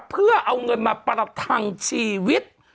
เพื่อเอาเงินมาประทังชีวิต